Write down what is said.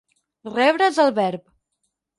Rebre és el verb.